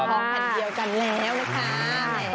เป็นพร้อมกันเดียวกันแล้วนะคะ